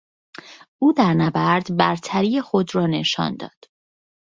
او در نبرد برتری خود را نشان داد.